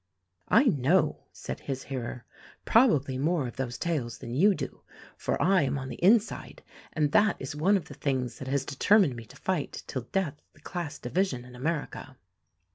"I know," said his hearer, "probably more of those tales than you do, for I am on the inside; and that is one of the things that has determined me to fight till death the class division in America.